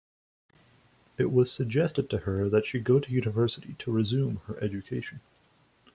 It was suggested to her that she go to university to resume her education.